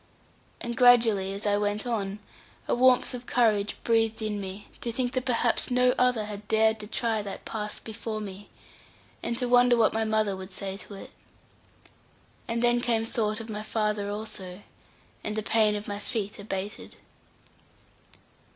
And gradually as I went on, a warmth of courage breathed in me, to think that perhaps no other had dared to try that pass before me, and to wonder what mother would say to it. And then came thought of my father also, and the pain of my feet abated.